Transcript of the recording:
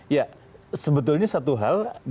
ya sebetulnya satu hal